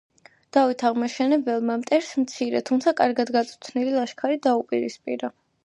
დავით აღმაშენებელმა მტერს მცირე, თუმცა კარგად გაწვრთნილი ლაშქარი დაუპირისპირა.